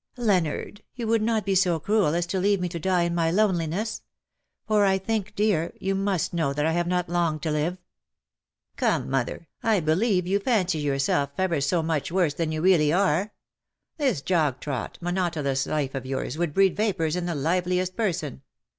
" Leonard, you would not be so cruel as to leave me to die in my loneliness ; for I think, dear, you must know that I have not long t^ live.'' " Come, mother, I believe you fancy yourself ever 94 ^^ BUT HERE IS ONE WHO SO much worse tliau you really are. This jog trot, monotonous life of yours would breed vapours in the liveliest person.